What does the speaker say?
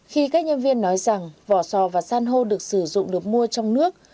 khi các nhân viên nói rằng vỏ sò và san hô được sử dụng được mua trong nước